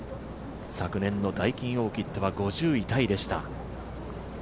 昨年のダイキンオーキッドは５０位タイでした。